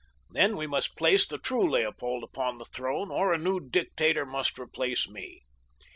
Then we must place the true Leopold upon the throne, or a new dictator must replace me.